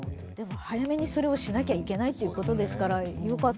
早めにそれをしなきゃいけないってことですからね。